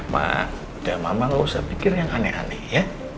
mak udah mama gak usah pikir yang aneh aneh ya